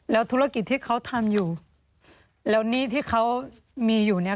แล้วธุรกิจที่เขาทำอยู่แล้วหนี้ที่เขามีอยู่เนี่ย